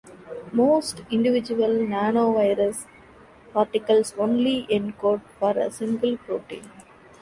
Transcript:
Most individual nanovirus particles only encode for a single protein.